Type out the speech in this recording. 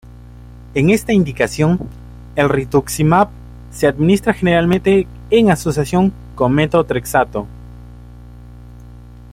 En esta indicación, el rituximab se administra generalmente en asociación con metotrexato.